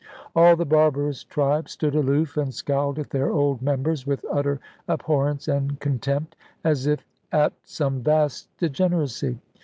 All the barbarous tribe stood aloof and scowled at their old members with utter abhorrence and contempt, as if at some vast degeneracy.